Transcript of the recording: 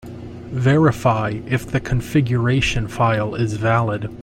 Verify if the configuration file is valid.